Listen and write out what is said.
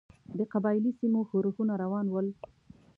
د قبایلي سیمو ښورښونه روان ول.